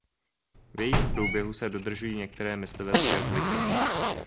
V jejím průběhu se dodržují některé myslivecké zvyky.